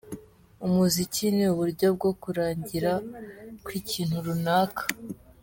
Umuziki ni uburyo bwo kurangira kw’ikintu runaka.